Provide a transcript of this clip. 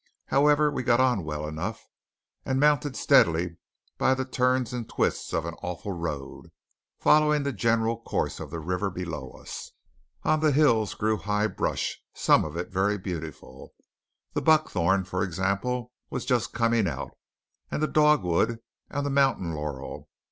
However, we got on well enough, and mounted steadily by the turns and twists of an awful road, following the general course of the river below us. On the hills grew high brush, some of it very beautiful. The buckthorn, for example, was just coming out; and the dogwood, and the mountain laurel.